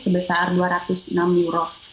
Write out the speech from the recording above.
sebesar dua ratus enam euro